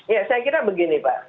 ya saya kira begini pak